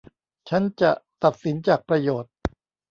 ฉันจะตัดสินจากประโยชน์